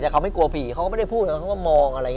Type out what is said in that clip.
แต่เขาไม่กลัวผีเขาก็ไม่ได้พูดเขาก็มองอะไรอย่างนี้